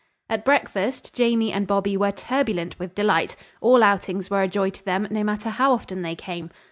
At breakfast Jamie and Bobby were turbulent with delight. All outings were a joy to them, no matter how often they came.